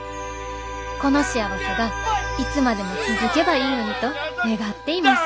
この幸せがいつまでも続けばいいのにと願っています」。